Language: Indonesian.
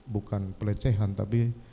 bukan pelecehan tapi